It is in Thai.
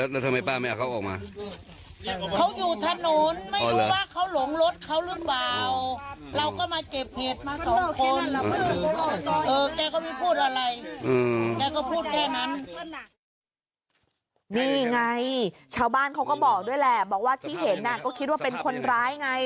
นี่ไงชาวบ้านเขาก็บอกด้วยแหละบอกว่าที่เห็นก็คิดว่าเป็นคนร้ายไง